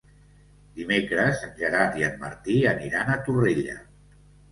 Dimecres en Gerard i en Martí aniran a Torrella.